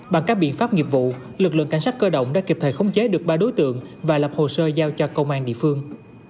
bằng các biện pháp nghiệp vụ lực lượng cảnh sát cơ động đã kịp thời khống chế được ba đối tượng và lập hồ sơ giao cho công an địa phương